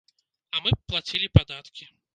А мы б плацілі падаткі.